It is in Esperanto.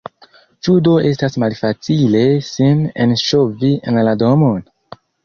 Ĉu do estas malfacile sin enŝovi en la domon?